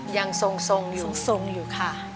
ยังทรงอยู่ค่ะ